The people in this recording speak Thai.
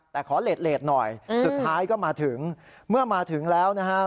แต่ขอเลสหน่อยสุดท้ายก็มาถึงเมื่อมาถึงแล้วนะครับ